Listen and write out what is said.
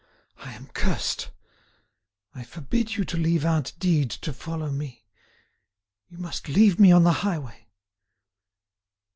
I am cursed! I forbid you to leave aunt Dide to follow me. You must leave me on the highway."